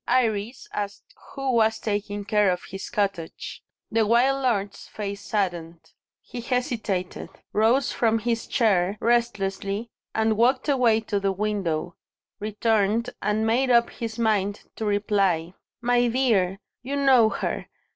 Iris asked who was taking care of his cottage. The wild lord's face saddened. He hesitated; rose from his chair restlessly, and walked away to the window; returned, and made up his mind to reply. "My dear, you know her.